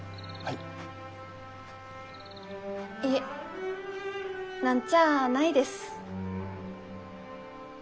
いえ何ちゃあないです。